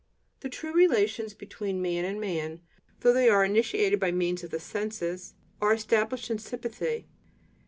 The true relations between man and man, though they are initiated by means of the senses, are established in sympathy.